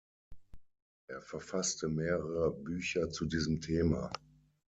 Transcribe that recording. Er verfasste mehrere Bücher zu diesem Thema.